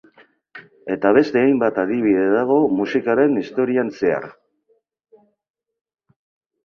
Eta beste hainbat adibide dago musikaren historian zehar.